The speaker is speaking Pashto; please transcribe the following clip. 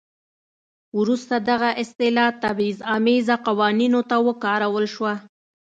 وروسته دغه اصطلاح تبعیض امیزه قوانینو ته وکارول شوه.